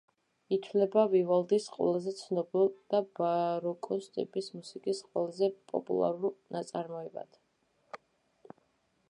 ითვლება ვივალდის ყველაზე ცნობილ და ბაროკოს ტიპის მუსიკის ყველაზე პოპულარულ ნაწარმოებად.